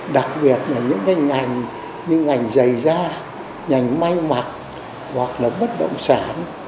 đặc biệt là những cái ngành như ngành dày da ngành may mặt hoặc là bất động sản